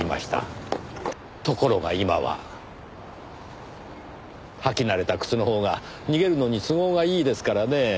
ところが今は履き慣れた靴のほうが逃げるのに都合がいいですからねぇ。